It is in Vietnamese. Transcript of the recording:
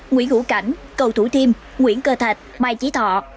nguyễn hữu cảnh cầu thủ thiêm nguyễn cơ thạch mai chí thọ